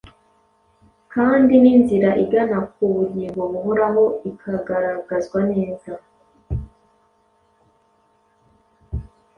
kandi n’inzira igana ku bugingo buhoraho ikagaragazwa neza.